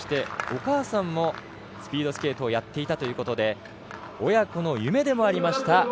お母さんもスピードスケートをやっていたということで親子の夢でもありました